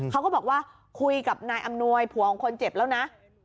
เขาก็บอกว่าคุยกับนายอำนวยผัวของคนเจ็บแล้วนะ